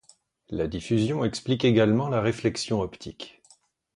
La diffusion explique également la réflexion optique.